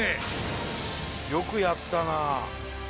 よくやったなあ。